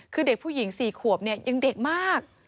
คือเด็กผู้หญิง๔ขวบเนี่ยยังเด็กมาก